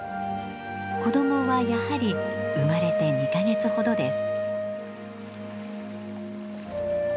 子どもはやはり生まれて２か月ほどです。